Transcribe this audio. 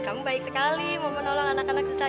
kamu baik sekali mau menolong anak anak susah